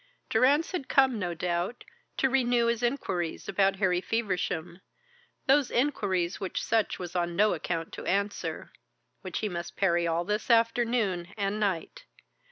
Durrance had come, no doubt, to renew his inquiries about Harry Feversham, those inquiries which Sutch was on no account to answer, which he must parry all this afternoon and night.